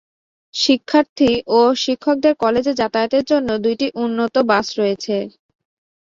শিক্ষার্থী ও শিক্ষক দের কলেজে যাতায়াতের জন্য দুইটি উন্নত বাস রয়েছে।